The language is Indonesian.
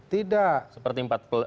tidak seperti empat sebelas